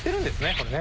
これね。